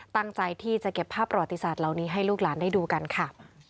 ตั้งใจที่จะเก็บภาพประวัติศาสตร์เหล่านี้ให้ลูกหลานได้ดูกันค่ะ